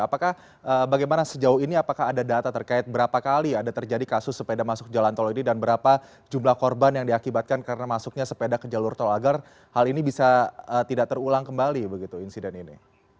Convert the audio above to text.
apakah bagaimana sejauh ini apakah ada data terkait berapa kali ada terjadi kasus sepeda masuk jalan tol ini dan berapa jumlah korban yang diakibatkan karena masuknya sepeda ke jalur tol agar hal ini bisa tidak terulang kembali begitu insiden ini